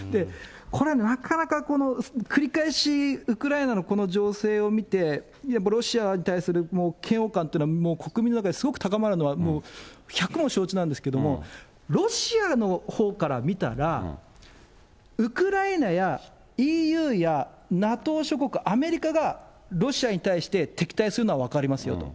これ、なかなか繰り返しウクライナのこの情勢を見て、やっぱりロシアに対する嫌悪感というのは国民の中で高まるのはもう百も承知なんですけど、ロシアのほうから見たら、ウクライナやＥＵやＮＡＴＯ諸国、アメリカがロシアに対して敵対するのは分かりますよと。